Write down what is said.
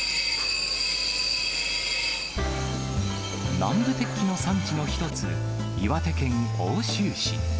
南部鉄器の産地の一つ、岩手県奥州市。